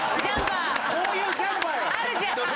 こういうジャンパーや！